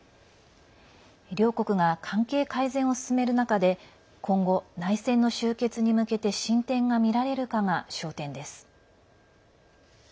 両国が関係改善を進める中で今後、内戦の終結に向けて進展がみられるかが焦点です。